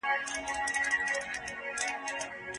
که ته وغواړې، زه به درته د کلي د اوبو د ویالې کیسه وکړم.